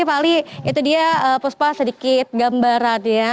pak ali itu dia puspa sedikit gambaran ya